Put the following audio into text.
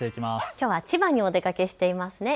きょうは千葉にお出かけしていますね。